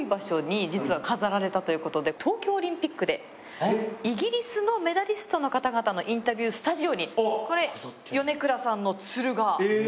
東京オリンピックでイギリスのメダリストの方々のインタビュースタジオにこれ米倉さんの鶴が。え！